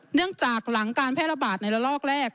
หลังจากหลังการแพร่ระบาดในระลอกแรก